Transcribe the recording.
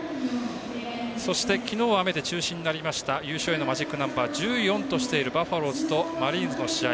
そして、昨日雨で中止になりました優勝へのマジックナンバー１４としているバファローズとマリーンズの試合。